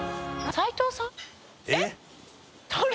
△譟斎藤さん？